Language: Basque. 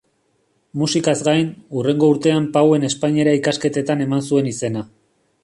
Musikaz gain, hurrengo urtean Pauen espainiera ikasketetan eman zuen izena.